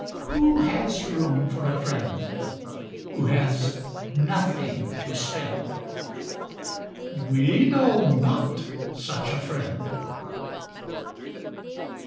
Who has room for a friend Who has nothing to spend? We know not such a friend.